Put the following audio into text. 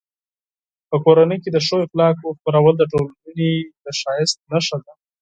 په کورنۍ کې د ښو اخلاقو خپرول د ټولنې د ښایست نښه ده.